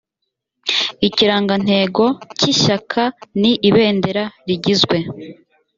ikirangantego cy ishyaka ni ibendera rigizwe